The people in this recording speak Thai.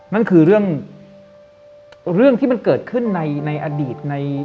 นั่นคือเรื่องที่มันเกิดขึ้นในอดีตใน